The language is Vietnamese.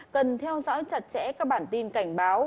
cần theo dõi chặt chẽ các bản tin cảnh báo